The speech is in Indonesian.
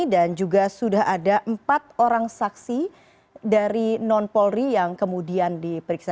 dan juga sudah ada empat orang saksi dari non polri yang kemudian diperiksa